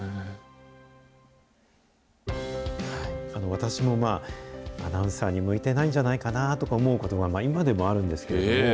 私もまあ、アナウンサーに向いてないんじゃかなと思うことは今でもあるんですけれども。